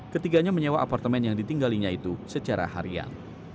ketiganya menyewa apartemen yang ditinggalinya itu secara harian